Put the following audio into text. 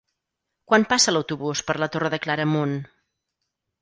Quan passa l'autobús per la Torre de Claramunt?